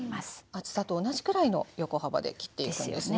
厚さと同じくらいの横幅で切っていくんですね。